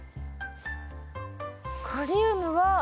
カリウムは。